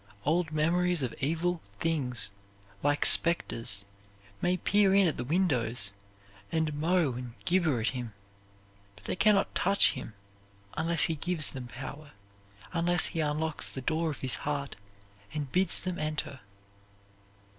Old memories of evil things like specters may peer in at the windows and mow and gibber at him, but they can not touch him unless he gives them power, unless he unlocks the door of his heart and bids them enter.